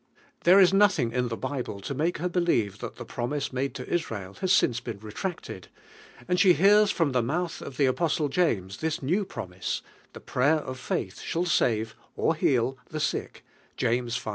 There is nothing in the Bible to make DIVINE WEALING. 1™) her believe that the promise made to Israel has been since retracted, and she hears from the mouth of the Apostle James this new promise: "The prayer of faith shall save (or heal) the sick" (■biines v.